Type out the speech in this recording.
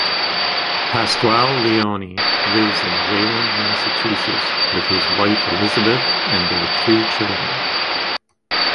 Pascual-Leone lives in Wayland, Massachusetts with his wife Elizabeth and their three children.